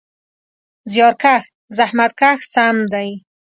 زیارکښ: زحمت کښ سم دی.